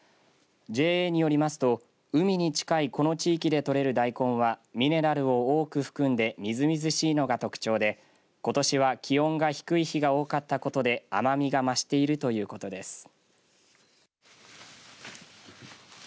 ＪＡによりますと海に近いこの地域で取れる大根はミネラルを多く含んでみずみずしいのが特徴でことしは気温が低い日が多かったことで甘みが増しているということです。